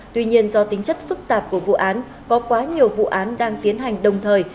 tuy nhiên do tính chất phức tạp của vụ án có quá nhiều vụ án đang tiến hành đồng thời